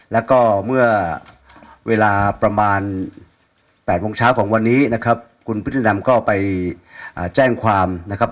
แล้วก็เมื่อเวลาประมาณ๘โมงเช้าของวันนี้นะครับคุณพุทธดำก็ไปแจ้งความนะครับ